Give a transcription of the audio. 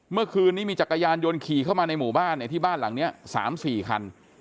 เมื่อคืนนี้มีจักรยานยนต์ขี่เข้ามาในหมู่บ้านที่บ้านหลังนี้๓๔คัน